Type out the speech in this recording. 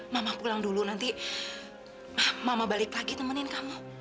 mama pulang dulu nanti mama balik lagi temenin kamu